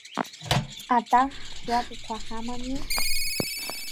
Атанк ԥжәагақәа ҳамами?